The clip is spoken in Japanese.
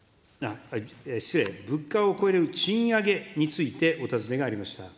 失礼、物価を超える賃上げについて、お尋ねがありました。